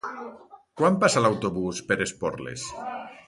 Quan passa l'autobús per Esporles?